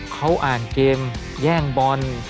เขาอ่านเกมแย่งบอล